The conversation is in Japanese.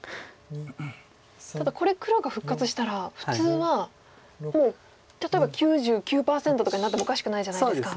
ただこれ黒が復活したら普通はもう例えば９９％とかになってもおかしくないじゃないですか。